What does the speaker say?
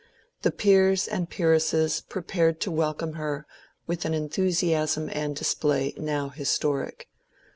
The peers and peeresses prepared to welcome her with an enthusiasm and display now historic.